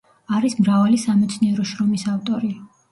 არის მრავალი სამეცნიერო შრომის ავტორი.